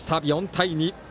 ４対２。